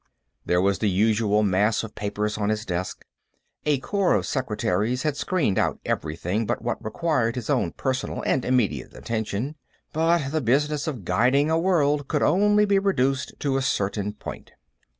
There was the usual mass of papers on his desk. A corps of secretaries had screened out everything but what required his own personal and immediate attention, but the business of guiding a world could only be reduced to a certain point.